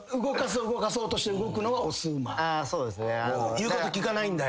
言うこと聞かないんだ